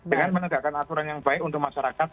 dengan menegakkan aturan yang baik untuk masyarakat